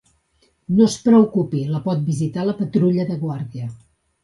No es preocupi, la pot visitar la patrulla de guàrdia.